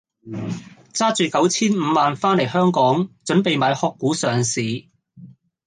揸住九千五萬番黎香港準備買殼股上市。